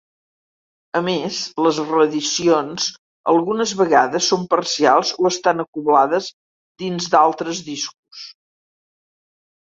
A més les reedicions, algunes vegades són parcials o estan acoblades dins d'altres discos.